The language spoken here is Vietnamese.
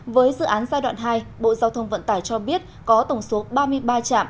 với dự án giai đoạn hai bộ giao thông vận tải cho biết có tổng số ba mươi ba trạm